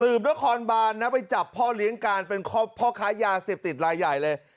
นครบานนะไปจับพ่อเลี้ยงการเป็นพ่อค้ายาเสพติดรายใหญ่เลย